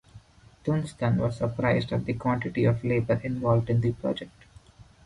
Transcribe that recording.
Dunstan was surprised at the quantity of labor involved in the project.